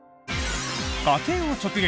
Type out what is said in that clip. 家計を直撃！